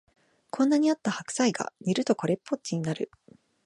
こんなにあった白菜が煮るとこれっぽっちになる